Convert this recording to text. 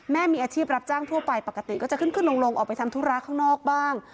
แม่มีอาชีพรับจ้างทั่วไปปกติก็จะขึ้นขึ้นลงออกไปทำธุระข้างนอกบ้าง